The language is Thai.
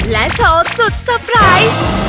และโชว์สุดสะไป